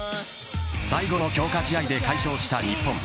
最後の強化試合で快勝した日本。